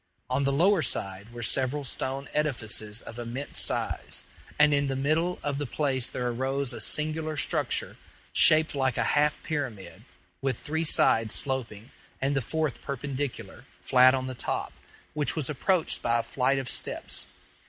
On the lower side were several stone edifices of immense size; and in the middle of the place there arose a singular structure, shaped like a half pyramid, with three sides sloping, and the fourth perpendicular, flat on the top, which was approached by a flight of steps.